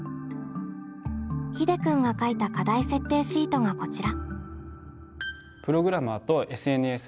ひでくんが書いた課題設定シートがこちら。